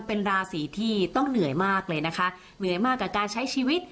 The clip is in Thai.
เป็นราศีที่ต้องเหนื่อยมากเลยนะคะเหนื่อยมากกับการใช้ชีวิต